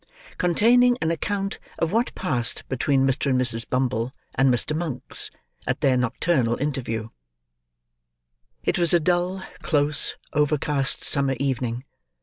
CONTAINING AN ACCOUNT OF WHAT PASSED BETWEEN MR. AND MRS. BUMBLE, AND MR. MONKS, AT THEIR NOCTURNAL INTERVIEW It was a dull, close, overcast summer evening.